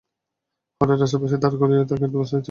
হঠাৎ রাস্তার পাশে দাঁড় করিয়ে রাখা একটা বাসের দিকে চোখ আটকে গেল।